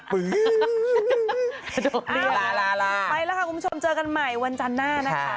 ไปแล้วค่ะคุณผู้ชมเจอกันใหม่วันจันทร์หน้านะคะ